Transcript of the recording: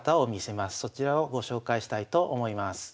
そちらをご紹介したいと思います。